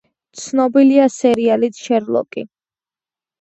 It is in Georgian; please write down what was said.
ცნობილია სერიალით „შერლოკი“.